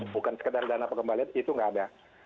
bukan sekedar dana pengembalian itu nggak ada